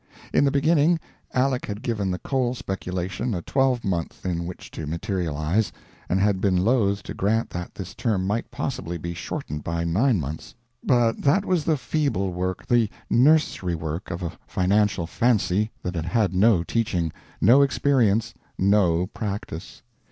In the beginning, Aleck had given the coal speculation a twelvemonth in which to materialize, and had been loath to grant that this term might possibly be shortened by nine months. But that was the feeble work, the nursery work, of a financial fancy that had had no teaching, no experience, no practice.